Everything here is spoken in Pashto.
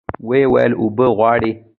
ويې ويل اوبه غواړي.